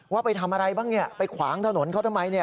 ว่าไปทำอะไรบ้างไปขวางถนนเขาทำไม